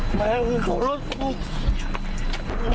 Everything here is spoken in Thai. ไปชนรถกู